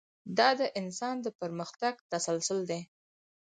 دا د انسان د پرمختګ تسلسل دی.